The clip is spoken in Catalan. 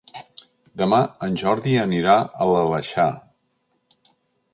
Demà en Jordi anirà a l'Aleixar.